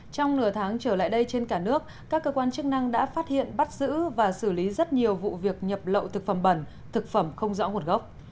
trong nửa tháng trở lại đây trên cả nước các cơ quan chức năng đã phát hiện bắt giữ và xử lý rất nhiều vụ việc nhập lậu thực phẩm bẩn thực phẩm không rõ nguồn gốc